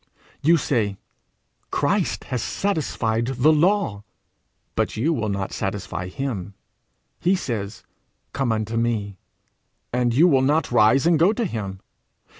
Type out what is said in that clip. You say 'Christ has satisfied the law,' but you will not satisfy him! He says, 'Come unto me,' and you will not rise and go to him.